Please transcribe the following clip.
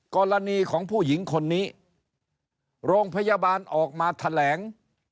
กรณีของผู้หญิงคนนี้โรงพยาบาลออกมาแถลง